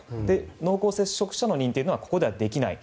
濃厚接触者の認定はここではできない。